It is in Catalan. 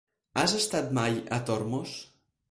Has estat mai a Tormos?